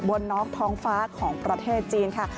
นอกท้องฟ้าของประเทศจีนค่ะ